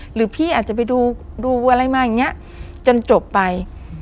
หรือพี่อาจจะไปดูอะไรมาอย่างนี้จนจบไป